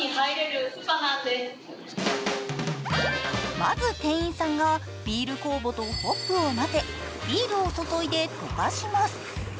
まず店員さんがビール酵母とホップを混ぜビールを注いで溶かします。